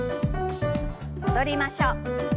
戻りましょう。